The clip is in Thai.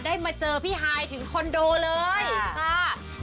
ได้มาเจอพี่ไฮถึงคอนโดเลยค่ะ